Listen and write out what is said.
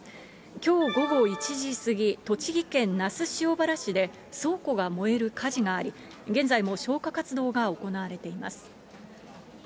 きょう午後１時過ぎ、栃木県那須塩原市で、倉庫が燃える火事があり、現在も消火活動が行われています。